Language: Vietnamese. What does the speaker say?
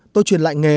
tôi truyền lại nghề